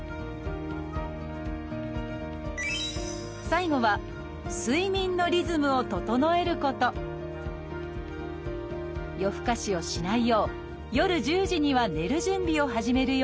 最後は夜更かしをしないよう夜１０時には寝る準備を始めるようにしました。